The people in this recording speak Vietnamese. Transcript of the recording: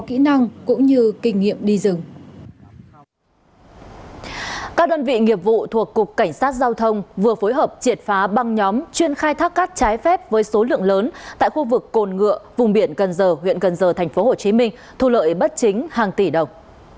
các đơn vị nghiệp vụ thuộc cục cảnh sát giao thông vừa phối hợp triệt phá băng nhóm chuyên khai thác cát trái phép với số lượng lớn tại khu vực cồn ngựa vùng biển cần giờ huyện cần giờ tp hcm thu lợi bất chính hàng tỷ đồng